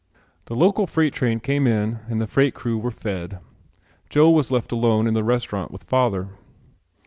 The local freight train came in and the freight crew were fed. Joe was left alone in the restaurant with father.